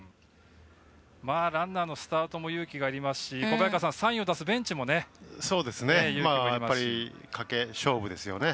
ランナーのスタートも勇気がいりますしサインを出すベンチも勇気がいりますよね。